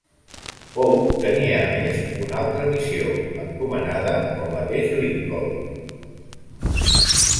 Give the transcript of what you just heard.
Pope tenia a més una altra missió, encomanada pel mateix Lincoln.